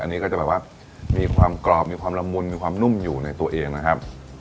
อันนี้ก็จะแบบว่ามีความกรอบมีความละมุนมีความนุ่มอยู่ในตัวเองนะครับ